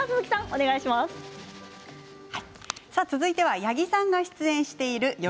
続いては八木さんが出演している夜